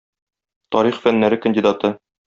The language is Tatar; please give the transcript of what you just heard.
Тарих фәннәре кандидаты.